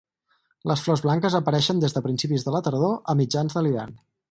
Les flors blanques apareixen des de principis de la tardor a mitjans de l'hivern.